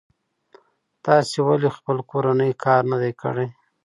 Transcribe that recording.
تاسې ولې خپل کورنی کار نه دی کړی؟